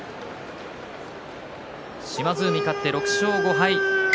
島津海、勝って６勝５敗です。